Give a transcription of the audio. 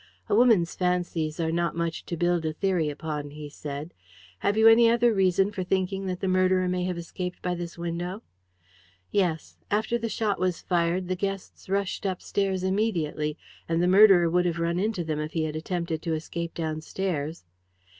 "A woman's fancies are not much to build a theory upon," he said. "Have you any other reason for thinking that the murderer may have escaped by this window?" "Yes. After the shot was fired the guests rushed upstairs immediately, and the murderer would have run into them if he had attempted to escape downstairs."